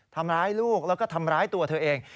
ทำร้ายลูกแล้วก็ทำร้ายตัวเธอเอง